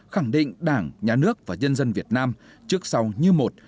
khẳng định đảng nhà nước và nhân dân việt nam trước sau như một